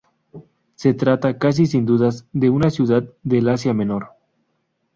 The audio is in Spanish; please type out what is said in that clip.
Se trata, casi sin dudas, de una ciudad del Asia Menor.